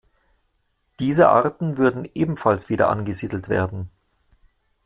Diese Arten würden ebenfalls wieder angesiedelt werden.